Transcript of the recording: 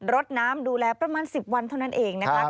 ดน้ำดูแลประมาณ๑๐วันเท่านั้นเองนะคะ